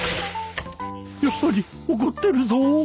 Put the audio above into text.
やっぱり怒ってるぞ